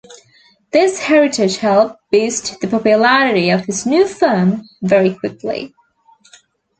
This heritage helped boost the popularity of his new firm very quickly.